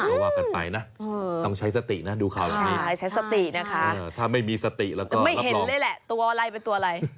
ก็ว่ากันไปนะต้องใช้สตินะดูข่าวนี้ใช้สตินะคะถ้าไม่มีสติแล้วก็ไม่เห็นเลยแหละตัวอะไรเป็นตัวอะไร